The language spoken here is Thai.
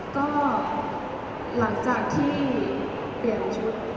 ก็หลังจากที่เปลี่ยนชุด